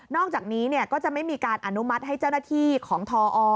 อกจากนี้ก็จะไม่มีการอนุมัติให้เจ้าหน้าที่ของทอ